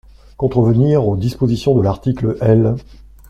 Contrevenir aux dispositions de l’article L.